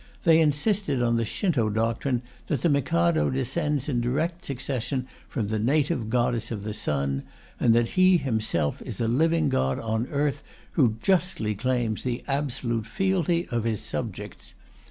They insisted on the Shinto doctrine that the Mikado descends in direct succession from the native Goddess of the Sun, and that He himself is a living God on earth who justly claims the absolute fealty of his subjects.